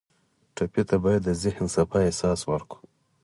ټپي ته باید د ذهن صفا احساس ورکړو.